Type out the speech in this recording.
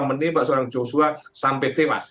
menembak seorang joshua sampai tewas